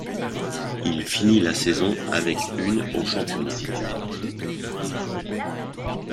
Il finit la saison avec une au championnat.